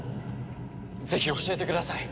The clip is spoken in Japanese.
ぜひ教えてください